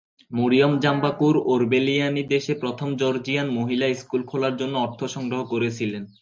Mariam Jambakur-Orbeliani দেশে প্রথম Georgian মহিলা স্কুল খোলার জন্য অর্থ সংগ্রহ করেছিলেন।